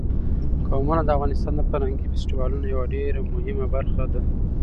قومونه د افغانستان د فرهنګي فستیوالونو یوه ډېره مهمه برخه ده.